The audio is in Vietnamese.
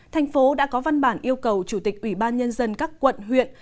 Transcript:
thành phố đã có văn bản yêu cầu chủ tịch ủy ban nhân dân các quận huyện